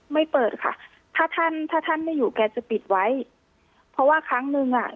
ไม่เปิดค่ะถ้าท่านถ้าท่านไม่อยู่แกจะปิดไว้เพราะว่าครั้งหนึ่งอ่ะ